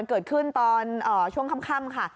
เกิดขึ้นตอนช่วงค่ำค่ะ